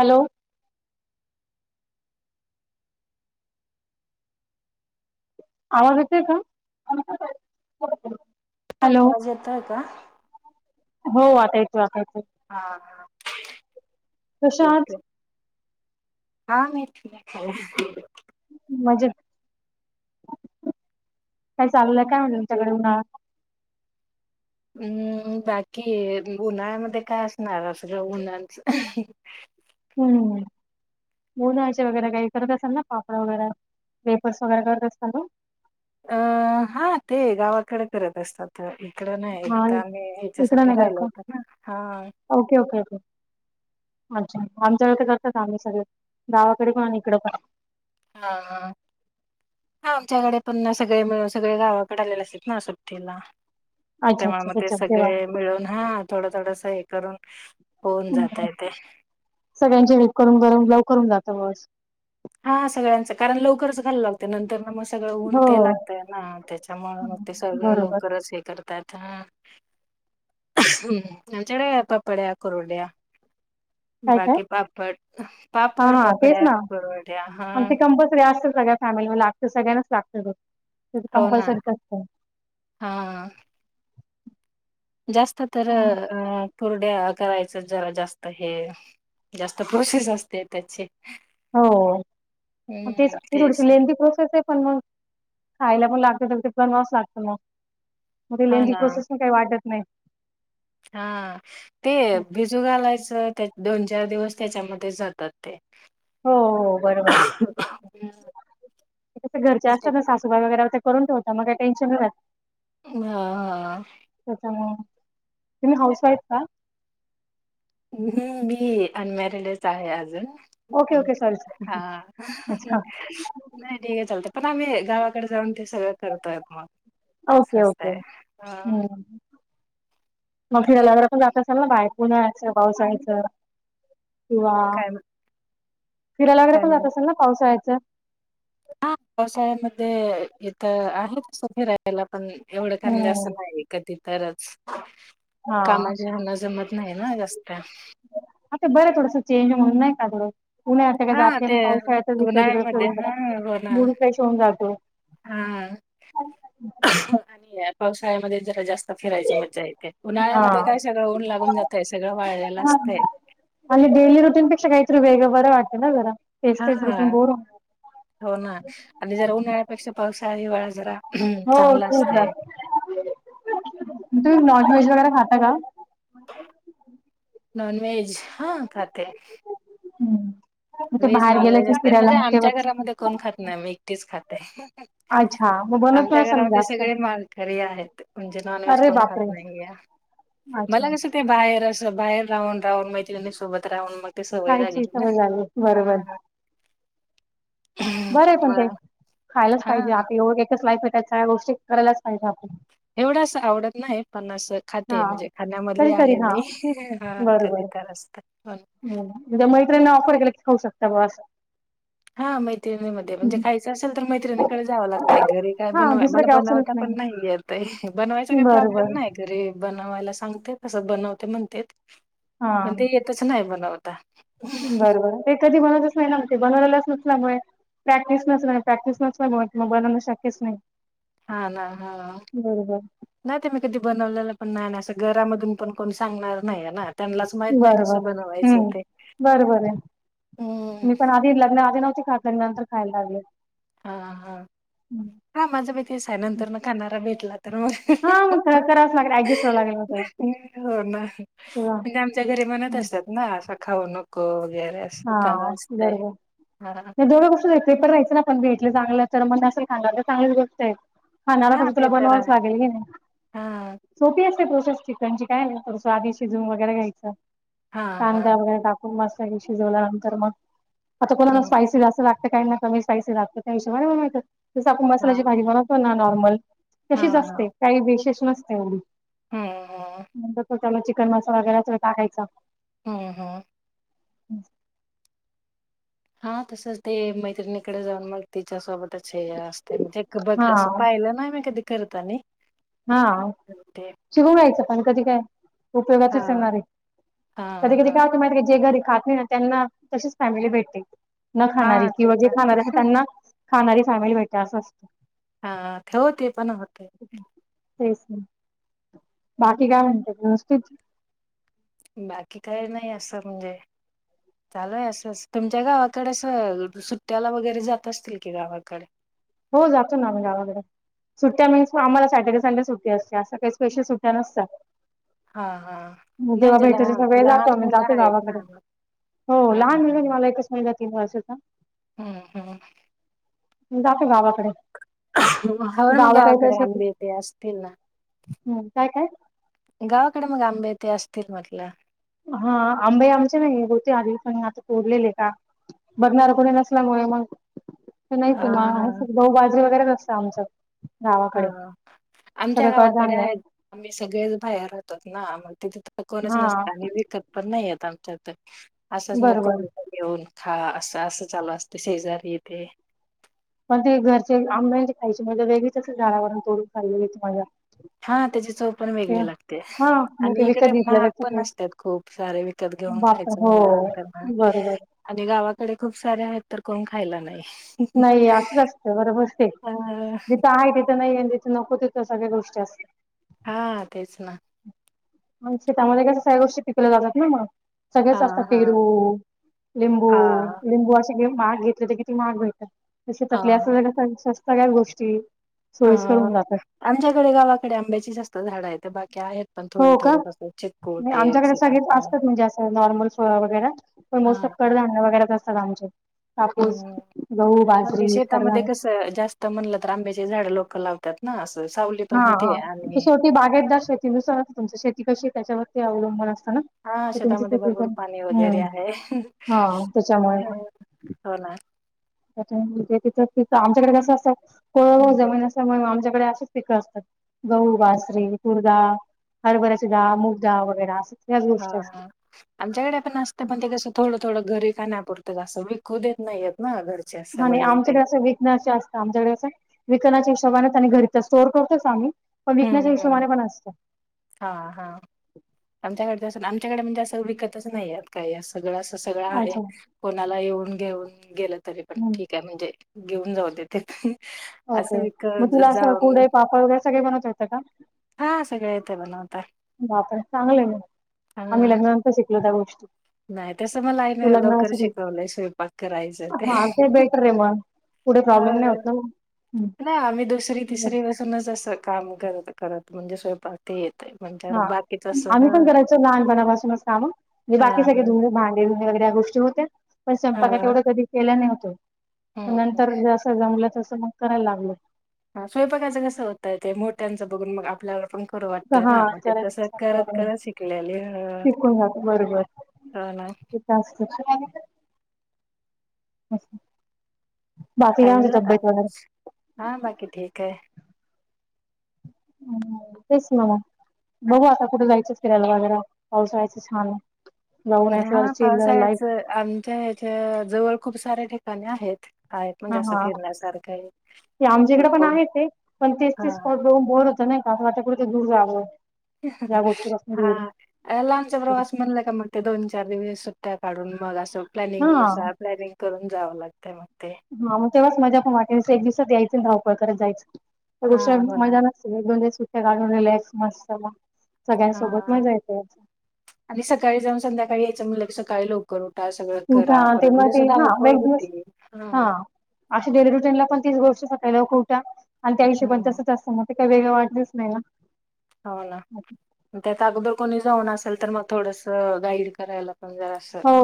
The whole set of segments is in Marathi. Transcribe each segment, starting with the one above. हॅलो आवांज येतंय कां हां आवांज येतंय कां हो वाटायचं वाकायचं हां हां ठीक कशा आहात? आहे हां मी ठी खले मजे कायं चाललंय कायं म्हं तुमच्यांकडे उन्हांळा हम्मं बाकी उन्हाळ्यांमध्ये कायं असणारं सगळं उन्हांच हम्मं उन्हां चे वगैरें कांहीं करतं असांल नां पापड वगैरें वेपर्स वगैरे करतं असतांत नां अं हां ते गावांकडे करतं असतांत तरं इकडं नाहीं हा एकदाचं आम्हीं इकडं यांच्यासाठी नाही करत राहिलो का होतं नां हां ओके ओके ओके अच्छा आमच्यांकडे करतांत आम्हीं सगळे गावांकडे पणं आणि इकडं पणं हां हां हां आमच्यांकडे पणं सगळें सगळें गावांकडे आलेले असतांत नां सुट्टीला अच्छा तेंव्हा अच्छा मंग ते त्याच्यात तेव्हा सगळें मिळूंन हां थोडं थोडंसं हे करूंन होऊन हम्म. जातंय ते सगळ्यांची वेटं करूंन करून लवकरं होऊन जातं बां असं हां सगळ्यांचं कारणं लवकरचं घायला लागते नंतर नां मस्तं सगळं हो उंट लागतंय नां त्यांच्यामुळे मंग ते हम्म, सगळं बरोबर लवकरचं हे करतं आमच्यांकडे पापड्या कुरड्या काय काय बाकी पापड हा पापड हा तेच पापड्या ना कुंड्या आणि ते हां कंपल्सरी असतं सगळ्यां फॅमिली लागतं सगळ्यांचं लागतं ते ते तरं हो ना. कंपल्सरीच असतं जास्तं तरं अं अं पुरड्या करायचं जरां जास्तं हे जास्तं पुरसेस असते त्यांचे हो तेचं ती तेच थोडीशी लेंथी प्रोसेस आहे पणं मंग खायंला पणं लागत मंग ते बनवाचं लागतं मंग मं हां लेंथि ना. प्रोसेस मंग कांहीं वाटतं नाहीं हां ते हो भिजूं घालायचं त्यां दोन चार दिवसं त्यांच्यामध्ये जातांत ते हो बरोबर ते घरचे असतांत नां सासूबाई वगैरें ते करूंन ठेवतात मंग कांहीं टेन्शन नाहीं रहातं हां हां आ त्याच्यामुळ, तुम्ही हाऊस वाईफ हात? हम्म.. मी अनमॅरिडच आहे अजून. ओके ओके सॉरी हा सॉरी [inaudible] अच्छा नाही ठीक आहे चलत पण आम्ही गावाकडे जाऊन ते सगळं करतात म असं ओके ओके असतय. हम्म मग फिरायला जर आपण जात असल ना बाहेर पुन्हाचं पावसाळच किंवा काय फिरायला वगैरे काय पण जात असेल ना पावसाळ्याचं? हा पावसाळ्यामध्ये इथं आहे तसं फिरायला पण एवढं काय म्हणजे हम्म असं नाही. कधी तरच, हा. कामाच्या हेन जमत नाही ना जास्त. आता बरं थोडसं चेंज म्हणून नाही का थोडं पुन असं काय हां, जात नाही ना ते पावसाळ्याच जिक-जिकड- उन्हाळ्यामध्ये तिकड हां, मूड फ्रेश होऊन जातो. हा [inaudible] आणि पावसाळ्यामध्ये जरा जास्त फिरायची मजा येते. उन्हाळ्यामध्ये हा काय सगळं ऊन लागून जातय सगळं वाळलेलं हा असतंय. आणि डेली रुटीनपेक्षा काहीतरी वेगं बरं वाटते ना जरा. तेच तेच रुटीन हा, बोर होऊन जातं. हो ना आणि जरा उन्हाळ्यापेक्षा पावसाळा, हिवाळा जरा हो चांगला [unintelligible] असतय. ते तुम्ही नॉनव्हेज वगैरे खाता का? नॉनव्हेज, हा खाते. हम्म मग ते व्हेज, बाहेर गेलं नॉनव्हेज की असतय फिरायला म्हणजे मग आमच्या तेव्हाच घरामध्ये कोण खात नाही मी एकटीच खाते. अच्छा मग [inaudible] बनवत आमच्या नसाल मग घरामध्ये जास्त सगळे मालकरी आहेत म्हणजे नॉनव्हेज कोण खात नाही या. आच मला कसं ते बाहेर असं बाहेर राहून -राहून मैत्रीण सोबत राहून मग ते सवय लागली खायचे ना. सगळं झाले. बरोबर हा बरं आहे पण ते मग खायलाच हा पाहिजे आपल एकच लाईफ आहे त्या स्या [unintelligible] गोष्टी करायलाच पाहिजे आपण. एवढं अस आवडत नाही पण असं खाते हा म्हणजे खाण्यामधली कधीतरी आहे हा मी [inaudible] हा कधी बरोबर तर अस. हो [unintelligible] हम्म म्हणजे मैत्रिणी ऑफर केला की खाऊ शकता ब्यो असं. हा मैत्रिणी म म्हणजे खायचं असेल तर मैत्रिणीकडे जावं लागतंय, घरी काय हा बनवा दुसरं -मला काही ऑप्शनच बनवता पण नाही येत. तय [inaudible] बनवायचा काही बरोबर प्रॉब्लेम नाही घरीे. बनवायला सांगते कसं बनवते म्हणतेत हा पण ते येतच नाही बनवता. बरोबर ते कधी बनवतच नाही ना, मग ते बनवलेलाच नसल्यामुळे. प्रॅक्टिस नसल्याने प्रॅक्टिस नसल्यामुळे म बनवणं शक्यच नाही. हा ना हा. बरोबर नाही ते मी कधी बनवलेलं पण नाही असं घरामधून पण कोणी सांगणार नाही आहे ना. त्यांनलाच माहित नाही बरोबर कसं बनवायचं हम्म ते हम्म.. ती लग्नाआधी नव्हती खात ग नंतर खायला लागले. हा- हा -हा माझं बी तेच आहे नंतरन खाणारा भेटला तर मग [inaudible] हा मग काय करावच लागल ऍडजस्ट व्हाय लागेल म तेव्हा. हो ना, म्हणजे आमच्या घरी म्हणत असतात ना असं खाऊ नको वगैरे अस. हा बरोबर म डोळं कस द पेपर रायचे ना पण भेटले चांगलं तर मग असेल खांग तर चांगलीच गोष्ट आहे. हा नाला [unintelligible] ख तुला ते तर बनवाच आहे. लागेल की नाही हां. सोपी असते प्रोसेस चिकनची काय नाही आधी शिजवून वगैरे घ्यायचं. हां, कांदा हां. वगैरे टाक म मसाले शिजल्यानंतर मग आता कोणाला हं. स्पायसी जास्त लाग कांहीं नां कमी पांयसी लागतो त्यां हिशोबाने मलां माहं जसं आपणं मसाल्यांची हां. भाजी बनवतो नां नॉर्मल तशीचं हां, असते हां. कांहीं विशेष नसते हली हं, हं. त्यालां चिकन मसाला वगैरें टाकांयचा हम्मं हमं ह [unintelligible] हां तसंच ते मैत्रिणीकडे जाऊंन मंग तिच्यासोबतचं हे असते म्हणजे बघं असं हां, पाहिलं नां मं कधीं करतं तांनी हां शिकूंण घांयचं पणं कधीं कायं उपयोगाचे चं हां. येणारं आहे हां, कधीं कधीं हां. कायं माहिती कां जे घरी खातं नाहीं नां त्यांना तशीच फॅमिली भेटते नं खाणारी हां, ते किंवा जे पण खाणारे असतां त्यांना खाणारी फॅमिली भेटते असं असतं हां ठेवते पणं होते हं तेचं बाकी कायं म्हणतात व्यवस्थित बाकी कांहीं नाहीं असं म्हणजे चालूंय असं तुमच्या गावांकडे असं सुट्ट्यांला वगैरें जातं असतील की गावांकडे हो जातो नां आम्ही गावांकडे वगैरें सुट्ट्यां मिन्स आम्हाला सॅटर्डे संडे सुट्टी असते असं कांहीं स्पेशल सुट्ट्यां नसतात हा हा जेंव्हा नाही वेळं म्हणजे लहान भेटाच्यांचा वेळं जातो लहान आम्हीं मुलं जातो आहेत ना गावांकडे हो हा लहांन मुहिलं हा मलां एकचं महिना तीनं वर्षाचा हम्मं हमं जातो गावांकडे हं मंग गावांकडे आंबे तेे असतील नां हं काय काय गावांकडे मंग आंबे ते असतील म्हटलं हां आंबाई आमचे नाहीं होते आंधी पणं आंता कोरलेले आहे कां बघणांर कोणी नसल्यामुळें मंग ते हा नाहीं हा मंग गहूं बाजरी वगैरें असतं आमचं गावाकडे हां आमच्या सगळं गावांकडे कडधान्य आहेतं आम्हीं सगळेच बाहेर राहतोत नां मंग तिथे तरं कोणचं हा नसतं आणि विकतं पणं नाहीं येतं आमच्याथ असंच मंग बरोबर कोणी घेऊंन खां असं असं चालूं असते शेजारी इथे पणं ते घरचे आंब्यांची खांयचे म्हजे वेगळीच झाडांवरुन खांयची मज्यां हां त्यांची चवं पणं वेगळी लागते हा मग आणि ते इकडे विकत घेतलं महागं जातं पणं ते असतांत खूंप सारे त्यांत घेऊन बाप खायचं हो म्हणलंंतर बरोबर आणि गावांकडे खूंप सारे आहेतं तरं कोणं खांयला नाहीं नाहीं असं असतं बरोबर ते जिथं आहे तिथं नाहीं तिथे नको तिथं सगळ्यां गोष्टी असतांत हां तेचं नां शेतां मध्ये कसं सगळ्यां गोष्टी पिकल्या जातांत नां मंग सगळेच असतांत हां, हां, पेरू लिंबू हां, लिंबू असे माघं घेतले तरं किती माघ भेटतांत तशी तकल्यां हां, असंग सं असतं कायं गोष्टी सोयीस्कर हां होऊन जातात. आमच्याकडे गावांकडे आंब्याची जास्तं झाडं आहेथ बाकी आहेतं पणं थोडे हो का? थोडे कसं नाही चितपूडते आमच्याकडे सगळेच सीताफळ असतात म्हणजे असं नॉर्मल सोया वगैरें मं मोस्ट ऑफ हां, हां, कडधान्य वगैरेचं असतांत आमच्या कडे कापूंस हं. गहूं बाजरी खंडवा जास्तं म्हणलं तरं आंब्याची झाडं लोकं लावतांत नां असं सावली पणं होते आणि ती बागेत दर शेती नुसार तुमच शेती कशी त्याच्यावरती अवलंबून असत ना? हा तर तुमची शेतामध्ये शेती भरपूर पण पाणी वगैरे हम्म आहे हा त्याच्यामुळे हो ना म्हणजे तिथं तिथं आमच्याकडे कसं असतं कोरडवा हं, जमीन असत त्याच्यामुळे आमच्याकडे असशीच पिकं असतात गहु, बाजरी जा हरभऱ्याची डाळ, मुग डाळ वगैरे अस हा हा. आमच्याकडे पण असते पण ते कसं थोडं, थोडं घरी खाण्या पुरतं अस विकू देत नाही येत. ना घरच्या आणि आमच्याकडे असं विकनेस आमच्याकडे अस विकण्याच्या हिशबाने आणि घरी स्टोर करतोच आम्ही. पण हम्म, विकण्याच्या हम्म. हिशोबाने पण असतं. हां हां आमच्याकडे ज असं आमच्याकडे म्हणजे असं विकतचं नाहीये. काय या सगळं असं सगळं आहे अच्छा. कोणाला येऊन घेऊन गेलं तरी पण हम्म ठीक आहे म्हणजे घेऊन जाऊदे तेथे ओके मग तुला अस कुडाई, पापड वगैरे सगळे बनवत येते का? हा सगळे येते बनवता. बापरे पण चांगलंय मग हा. आम्ही लग्नानंतर शिकलो त्या गोष्टी. नाही तसं मला आईन तू लवकर लग्नाच्या आधी शिकवलंय स्वयंपाक करायचं ते. हा बेटर आहे मग पुढे ह प्रॉब्लेम नाही होत ना मग. हम्म नाही आम्ही दुसरी, तिसरी व काम करत, करत म्हणजे स्वयंपाक ते येते म्हणजे बाकीच स ह लहान पणा पासूनच काम हे बाकी सगळे काम धुन, भाडी वगैरे ह्या गोष्टी होत्या. पण हां स्वयंपाकात हां तेवढं कधी केला नव्हतो हम्म नंतर जसं जमलं तसं मग करायला लागलो. हा स्वयंपाकाचं कसं होतय ते मोठ्यांचं बघून मग आपल्यावर पण खरं वाटतय हा ना मग ते तसं करत, करायचं करत शिकलेले शिकून जातो बरोबर हो ना ते तर असते. बाकी काय म्हनते तब्येत वैगेरे? हा बाकी ठीक आहे. तेच ना मग बघू आता कुठे जायचंच फिरायला वगैरे पाऊसाळ्याचं छान. जाऊन यायचं हा चिल पावसा लाईफ याच आमच्या ह्याच्या जवळ खूप सऱ्या ठिकाणी आहेत. आहेत हा म्हणजे असं हा फिरण्यासारखं आहे ते आमच्याकडे पण आहे ते पण तेच ते स्पॉट घुन बोर होत. नाही का अस वाटते कुठे तरी दूर जावं हां या गोष्टीपासून हा. दूर अ लामचा प्रवास म्हणला का मग ते दोन, चार दिवस सुट्ट्या काढून मग असं हा प्लॅनिंग नुसार, प्लॅनिंग करून जावं लागतंय मग ते. हा मग तेव्हाच मजा पण वाटेल, एक दिवसात यायचं अन धावपळ करत जायचं हा गोष्ट हो ना मजा एक, दोन दिवस सुट्ट्या काढून रिलॅक्स मस्त सगळ्यां सोबत हा. मजा येते सकाळी जाऊन संध्याकाळी यायचं म्हणलं कि सकाळी लोक लवकर उठा सगळं उठा करा परत तेव्हा म्हणजे जास ते हा मग धावपळ एक दिवस होते हा हं. डेली रुटीन ला पण तीच गोष्ट सकाळी लवकर उठा आणि त्या हिशोबाने हम्म तसंच असतं मग. ते काय वेगळं वाटलंच नाही ना. हो ना त्यात अगोदर कोणी जाऊन असेल तर मग थोडस गाईड करायला पण जरासं हो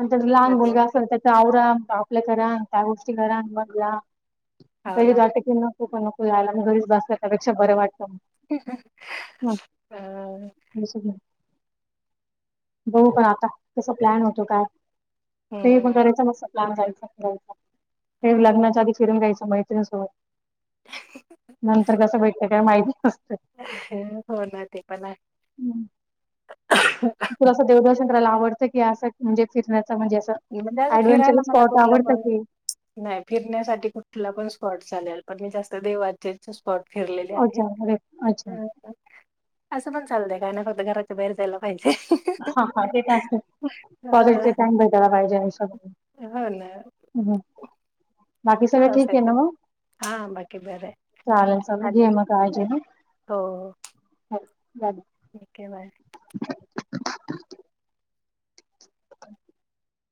अन जर लहान मग मुलगा असेल तर अवरा आपल्या करान त्या गोष्टी करा आणि मग जा हो पहिले ना जात की कुठ नको जायला म घरीच बसल्या त्यापेक्षा बरं वाटतं. [unintelligible] [unintelligible] अ तसं प्लॅन होतो का? ते पण हम्म. करायचं मस प्लॅन जायचा फिरायला. हा. लग्नाच्या आधी फिरून घ्यायचं मैत्रिणीसोबत नंतर कस भेटतय काय माहिती न [unintelligible] हो ना ते पण आहे. तुला अस देवदर्शन करायला आवडतं कि अस म्हणजे फिरण्याचं म्हणजे असं [unintelligible] ऍडव्हेंचर फिरायला मला स्पॉट कुठलं आवडतं पण की नाही फिरण्यासाठी कुठला पण स्पॉट चालेल पण मी जास्त देवाचे स्पॉट फिरलेले आहे. अच्छा अरे अच्छा असं पण चालतय काय नाय फक्त घराच्या बाहेर जायला पाहिजे. हा हा ते तर असतय कॉलेजचे अ टाइम भेटायला पाहिजे आयुष्यात. हो ना हम्म बाकी सगळ चला असं ठीक आहे ना काय मग? हा बाकी बरं आहे चालेल चालेल घे आणि मग काळजी हं. हो. [unintelligible] ठीकय बाय. [inaudible]